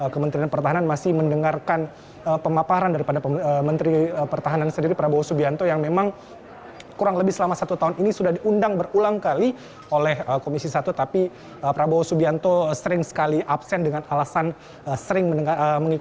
kementerian pertahanan masih mendengarkan pemaparan daripada menteri pertahanan sendiri prabowo subianto yang memang kurang lebih selama satu tahun ini sudah diundang berulang kali oleh komisi satu